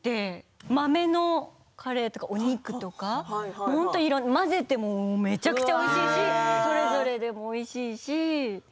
豆のカレーとか、お肉とか混ぜてもめちゃくちゃおいしいしそれぞれでも、おいしいし。